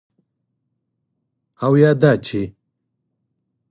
او یا دا چې: